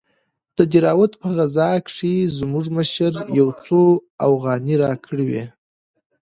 د دهراوت په غزا کښې زموږ مشر يو څو اوغانۍ راکړې وې.